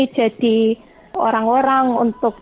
jadi orang orang untuk